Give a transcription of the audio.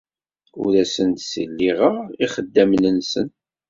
Ur asen-d-ssiliɣeɣ ixeddamen-nsen.